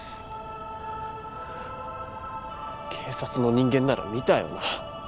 警察の人間なら見たよな？